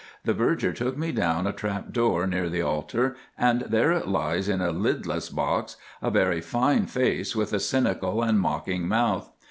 The verger took me down a trap door near the altar, and there it lies in a lidless box, a very fine face, with a cynical and mocking mouth.